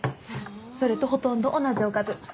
それとほとんど同じおかず。